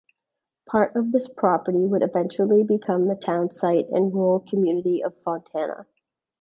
Part of this property would eventually become the townsite and rural community of Fontana.